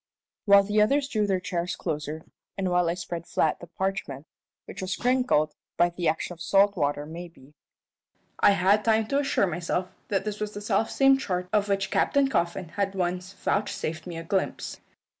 While the others drew their chairs closer, and while I spread flat the parchment which was crinkled (by the action of salt water, maybe) I had time to assure myself that this was the selfsame chart of which Captain Coffin had once vouchsafed me a glimpse.